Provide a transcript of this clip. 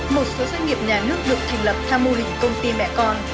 một số doanh nghiệp nhà nước được thành lập theo mô hình công ty mẹ con